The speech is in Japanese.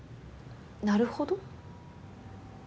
なるほど？